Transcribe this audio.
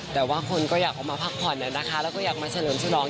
แต่ว่าคนก็อยากออกมาพักผ่อนนะคะแล้วก็อยากมาเฉลิมฉลอง